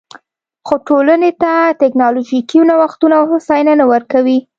خو ټولنې ته ټکنالوژیکي نوښتونه او هوساینه نه ورکوي